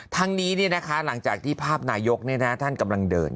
ทั้งนี้นี่นะคะหลังจากที่ภาพนายกเนี่ยนะท่านกำลังเดิน